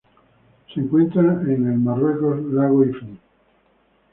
Se encuentra en el Marruecos: lago Ifni.